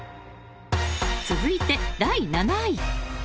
続いて第７位。